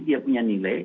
tidak punya nilai